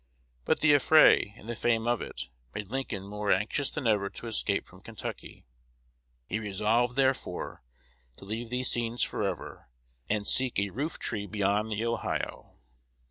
But the affray, and the fame of it, made Lincoln more anxious than ever to escape from Kentucky. He resolved, therefore, to leave these scenes forever, and seek a roof tree beyond the Ohio.